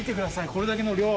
これだけの量。